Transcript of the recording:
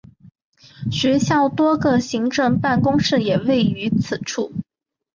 学校多个行政办公室也位于此处。